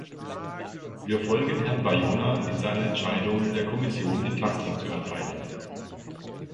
Wir folgen Herrn Bayona in seiner Entscheidung, der Kommission Entlastung zu erteilen.